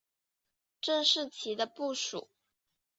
郑士琦的部属。